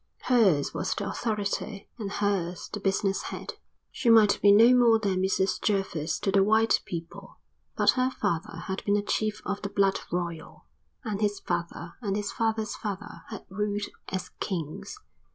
Hers was the authority and hers the business head. She might be no more than Mrs Jervis to the white people, but her father had been a chief of the blood royal, and his father and his father's father had ruled as kings.